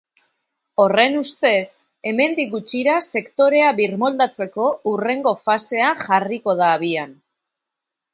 Horren ustez, hemendik gutxira sektorea birmoldatzeko hurrengo fasea jarriko da abian.